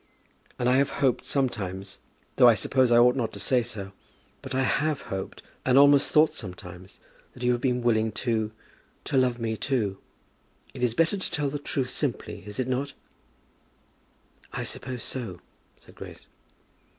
"And I have hoped sometimes, though I suppose I ought not to say so, but I have hoped and almost thought sometimes, that you have been willing to to love me, too. It is better to tell the truth simply, is it not?" "I suppose so," said Grace.